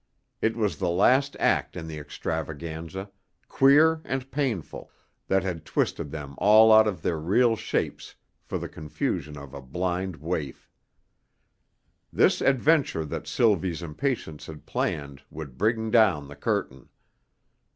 It was the last act in the extravaganza, queer and painful, that had twisted them all out of their real shapes for the confusion of a blind waif. This adventure that Sylvie's impatience had planned would bring down the curtain.